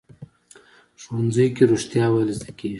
ښوونځی کې رښتیا ویل زده کېږي